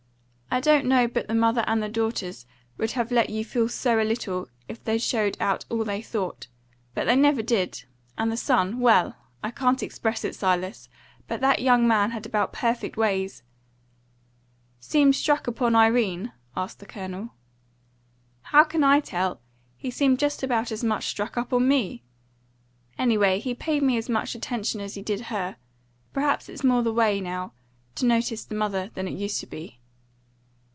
I don't know but the mother and the daughters would have let you feel so a little, if they'd showed out all they thought; but they never did; and the son well, I can't express it, Silas! But that young man had about perfect ways." "Seem struck up on Irene?" asked the Colonel. "How can I tell? He seemed just about as much struck up on me. Anyway, he paid me as much attention as he did her. Perhaps it's more the way, now, to notice the mother than it used to be."